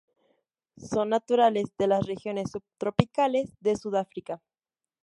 Son naturales de las regiones subtropicales de Sudáfrica.